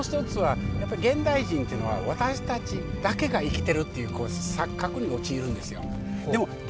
もう一つはやっぱり現代人というのは私たちだけが生きているという錯覚に陥るんですよ。